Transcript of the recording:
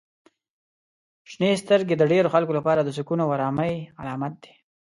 • شنې سترګې د ډیری خلکو لپاره د سکون او آرامۍ علامت دي.